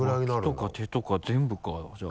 脇とか手とか全部かじゃあ。